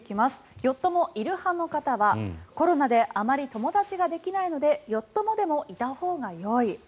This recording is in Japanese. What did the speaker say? よっ友いる派の方はコロナであまり友達ができないのでよっ友でもいたほうがよい。